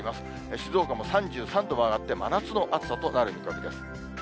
静岡も３３度まで上がって、真夏の暑さとなる見込みです。